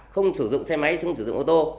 không sử dụng xe máy ô tô